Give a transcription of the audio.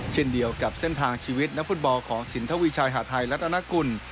เช่นเดียวกับเส้นทางชีวิตนักฟุตบอลของสินทวีชายหาดไทยรัฐนากุล